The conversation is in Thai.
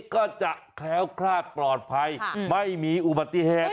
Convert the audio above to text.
ก็จะแคล้วคลาดปลอดภัยไม่มีอุบัติเหตุ